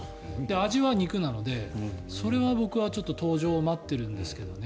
味は肉なのでそれは僕はちょっと登場を待ってるんですけどね。